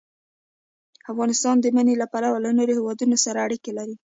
افغانستان د منی له پلوه له نورو هېوادونو سره اړیکې لري.